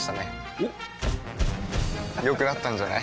おっ良くなったんじゃない？